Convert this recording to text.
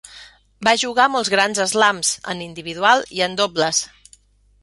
Va jugar molts grans eslams, en individual i en dobles.